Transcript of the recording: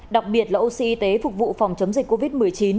đặc biệt là oxy y tế phục vụ phòng chống dịch covid một mươi chín